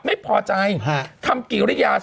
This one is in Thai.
ไม่พอใจทำกิริยา